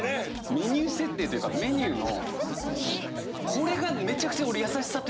メニュー設定というかメニューのこれがめちゃくちゃ俺優しさというか。